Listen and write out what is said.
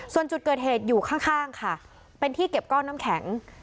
ส่วนจุดเกิดเหตุอยู่ข้างค่ะเป็นที่เก็บก้อนน้ำแข็ง